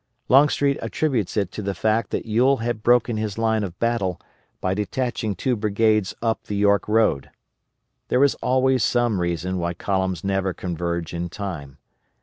Longstreet attributes it to the fact that Ewell had broken his line of battle by detaching two brigades up the York road. There is always some reason why columns never converge in time.